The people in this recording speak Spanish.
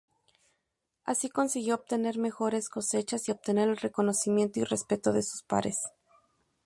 Así consiguió obtener mejores cosechas y obtener el reconocimiento y respeto de sus pares.